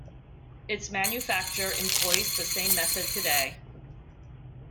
Its manufacture employs the same method today.